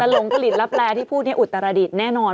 แต่หลงกรีดลับแร้ที่พูดนี่อุตรดิตแน่นอน